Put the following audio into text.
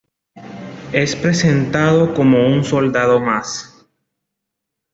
Es presentado como un soldado más.